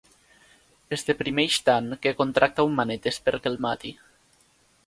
Es deprimeix tant que contracta un "manetes" perquè el mati.